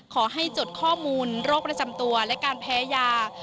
จดข้อมูลโรคประจำตัวและการแพ้ยา